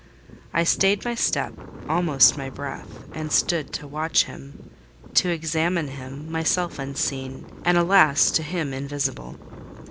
I stayed my step, almost my breath, and stood to watch him—to examine him, myself unseen, and alas! to him invisible.